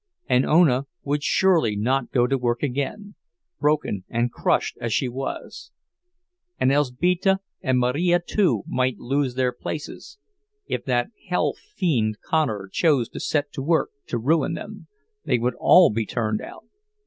And Ona would surely not go to work again, broken and crushed as she was. And Elzbieta and Marija, too, might lose their places—if that hell fiend Connor chose to set to work to ruin them, they would all be turned out.